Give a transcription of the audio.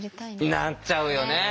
なっちゃうよね。